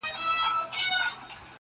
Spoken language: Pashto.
• ستا په څېر غوندي سړي خدمت کومه -